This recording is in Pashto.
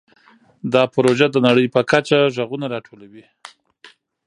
دا پروژه د نړۍ په کچه غږونه راټولوي.